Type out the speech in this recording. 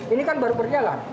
ini kan baru berjalan